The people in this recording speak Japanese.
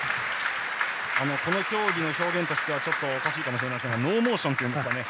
この競技の表現としてはおかしいかもしれませんがノーモーションというんですかね。